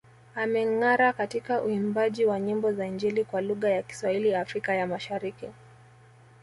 Amengara katika uimbaji wa nyimbo za Injili kwa lugha ya Kiswahili Afrika ya Mashariki